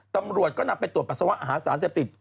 ตำรวจก็นำไปตรวจปัสสาวะหาสารเสพติด